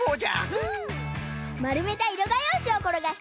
うん。